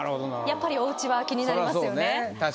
やっぱり、おうちは気になりますよね。